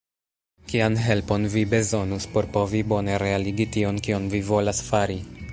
Kian helpon vi bezonus por povi bone realigi tion kion vi volas fari?